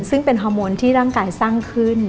ซึ่งเป็นฮอร์โมนที่ร่างกายสร้างขึ้น